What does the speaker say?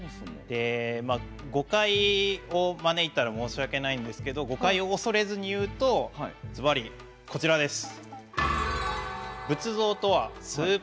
誤解を招いたら申し訳ないんですけど誤解を恐れずに言うとずばり、こちらです。